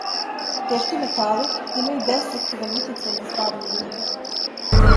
Тешки метали имају деструктиван утицај на здравље људи.